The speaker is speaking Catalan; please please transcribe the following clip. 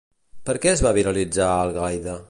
Per què es va viralitzar Algaida?